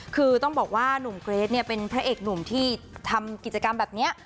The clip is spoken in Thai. คือต้องบอกว่าหนุ่มเกรทเนี่ยเป็นพระเอกหนุ่มที่ทำกิจกรรมแบบนี้